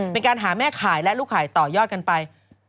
เป็นการหาแม่ขายและลูกขายต่อยอดกันไป